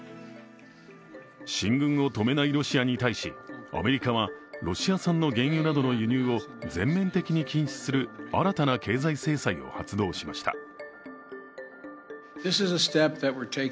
進軍を止めないロシアに対し、アメリカはロシア産の原油などの輸入を全面的に禁止する新たな経済制裁を発動しました。